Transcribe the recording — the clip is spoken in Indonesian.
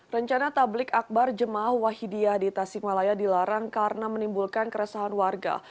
rencana tablik akbar jemaah wahidiyah di tasikmalaya dilarang karena menimbulkan keresahan warga